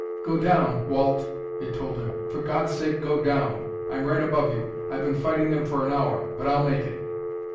"Go down, Walt," it told him. "For God's sake, go down! I'm right above you; I've been fighting them for an hour; but I'll make it!"